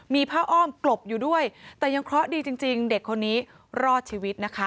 มีผ้าอ้อมกลบอยู่ด้วยแต่ยังเคราะห์ดีจริงเด็กคนนี้รอดชีวิตนะคะ